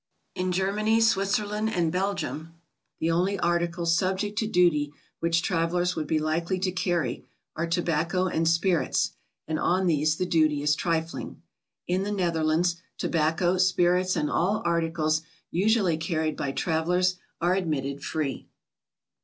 In Germany, Switzerland and Belgium, the only articles subject to duty which travelers would be likely to carry, are tobacco and spirits, and on these the duty is trifling. In the Netherlands, tobacc'o, spirits and ail articles usually carried by travelers are admitted free.